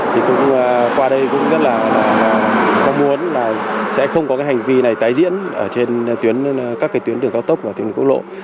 thì qua đây cũng rất là mong muốn là sẽ không có cái hành vi này tái diễn trên các cái tuyến đường cao tốc và tuyến quốc lộ